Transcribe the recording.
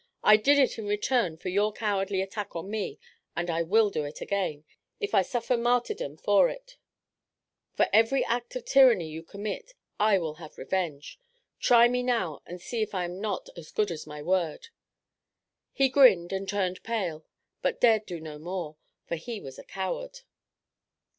I did it in return for your cowardly attack on me; and I will do it again, if I surfer martyrdom for it; for every act of tyranny you commit I will have revenge. Try me now, and see if I am not as good as my word." He grinned, and turned pale, but dared do no more, for he was a coward.